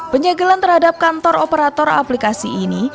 penyegelan terhadap kantor operator aplikasi ini